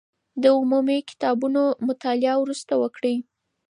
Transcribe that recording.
د عمومي کتابونو مطالعه وروسته وکړئ.